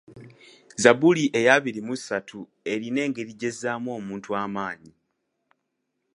Zzabbuli eya abiri mu ssatu erina engeri gy'ezzaamu omuntu amaanyi.